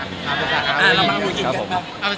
หรือสขาวโหยน